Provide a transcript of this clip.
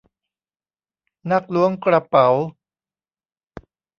นักล้วงกระเป๋า